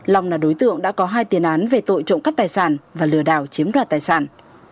long là đối tượng đã có hai tiền án về tội trộm cắp tài sản và lừa đảo chiếm đoạt tài sản